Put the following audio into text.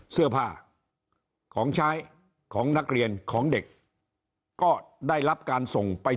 เสื้อผ้าของใช้ของนักเรียนของเด็กก็ได้รับการส่งไป